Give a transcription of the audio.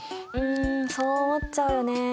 んそう思っちゃうよね。